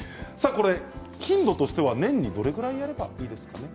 頻度としては年にどれくらいやればいいですかね。